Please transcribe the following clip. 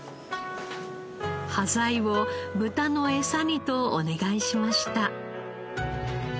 端材を豚のエサにとお願いしました。